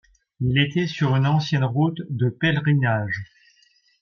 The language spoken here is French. Il était sur une ancienne route de pèlerinage.